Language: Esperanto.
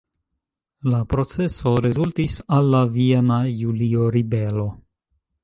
La proceso rezultis al la Viena Julio-ribelo.